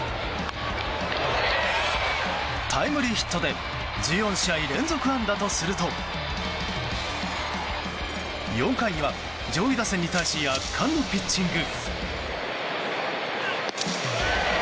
タイムリーヒットで１４試合連続安打とすると４回には上位打線に対し圧巻のピッチング。